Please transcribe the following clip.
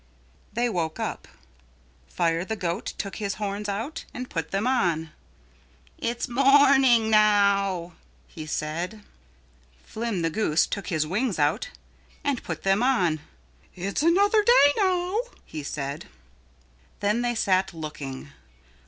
They woke up. Fire the Goat took his horns out and put them on. "It's morning now," he said. Flim the Goose took his wings out and put them on. "It's another day now," he said. Then they sat looking.